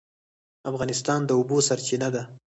افغانستان د اوبو سرچینه ده